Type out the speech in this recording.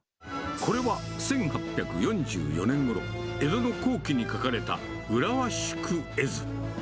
これは１８４４年ごろ、江戸の後期に書かれた浦和宿絵図。